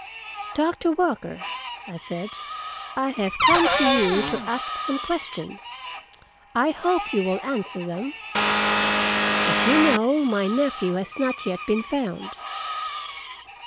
"Doctor Walker," I said, "I have come to you to ask some questions. I hope you will answer them. As you know, my nephew has not yet been found."